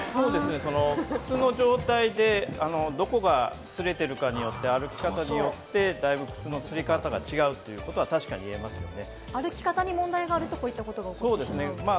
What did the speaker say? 靴の状態で、どこが擦れているかによって、歩き方によって靴の擦り方が違うというのは言えますね。